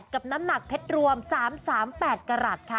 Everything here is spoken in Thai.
๓๘กับน้ำหนักเพชรวม๓๓๘กราบค่ะ